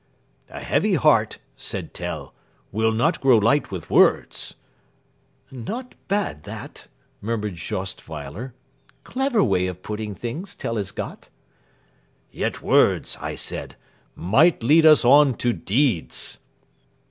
"'A heavy heart,' said Tell, 'will not grow light with words.'" "Not bad that!" murmured Jost Weiler. "Clever way of putting things, Tell has got." "'Yet words,' I said, 'might lead us on to deeds.'"